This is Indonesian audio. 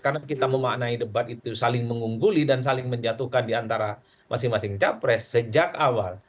karena kita memaknai debat itu saling mengungguli dan saling menjatuhkan diantara masing masing capres sejak awal